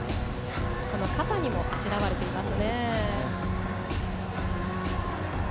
肩にもあしらわれています。